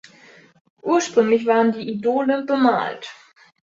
Ursprünglich waren die Idole bemalt.